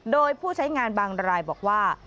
โดยผู้ใช้งานบางรายบอกว่า